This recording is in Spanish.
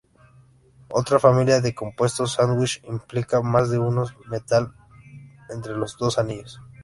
Otra familia de compuestos sándwich implican más de un metal entre los dos anillos.